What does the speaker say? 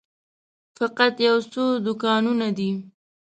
فقط یو څو دوکانونه دي.